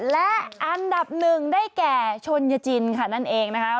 และอันดับหนึ่งได้แก่ชนยจินค่ะนั่นเองนะคะ